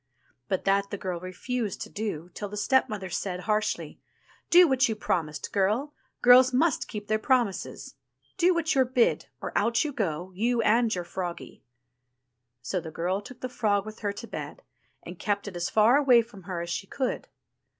'* But that the girl refused to do, till her stepmother said harshly :Do what you promised, girl ; girls must keep their promises. Do what you*re bid, or out you go, you and your froggie." So the girl took the frog with her to bed, and kept it as far away from her as she could.